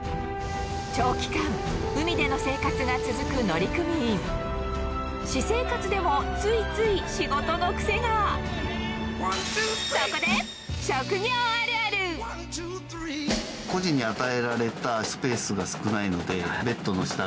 長期間海での生活が続く乗組員私生活でもついつい仕事の癖がそこでする癖がついてしまって。